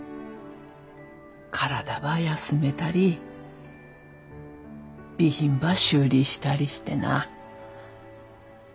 体ば休めたり備品ば修理したりしてな。